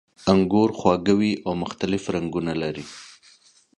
انګور خواږه وي او مختلف رنګونه لري.